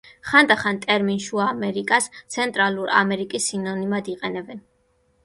ხანდახან, ტერმინ „შუა ამერიკას“ „ცენტრალური ამერიკის“ სინონიმად იყენებენ.